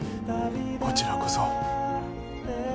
こちらこそ。